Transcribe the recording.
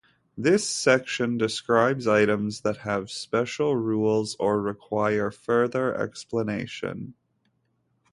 This section describes items that have special rules or require further explanation.